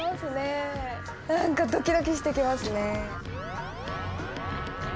何かドキドキしてきますね。